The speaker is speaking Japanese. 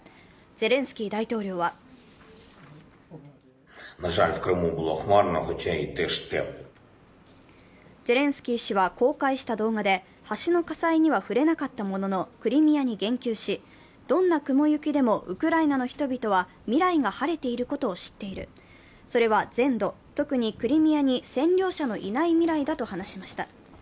ゼレンスキー大統領はゼレンスキー氏は公開した動画で、橋の火災には触れなかったものの、クリミアに言及しどんな雲行きでもウクライナの人々は未来が晴れていることを知っている、それは全土、特にクリミアに占領者のいない未来だと話しました。